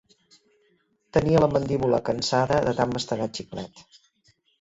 Tenia la mandíbula cansada de tant mastegar xiclet.